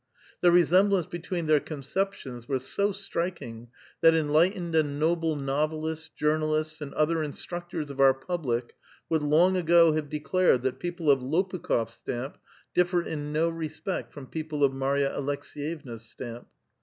The resemblance between their conceptions was so striking, that enlightened and noble novelists, journalists, and other instructors of our public, would long ago have declared that people of Lopu kh6r's stami) diiler in no resj>ect from people of Marya Aleksi\vevna's stamp.